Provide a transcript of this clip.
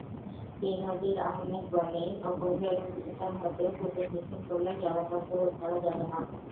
বে-নজীর আহমেদ বলে, অপরিকল্পিতভাবে কুকুর নিধন করলে জলাতঙ্ক রোধ করা যাবে না।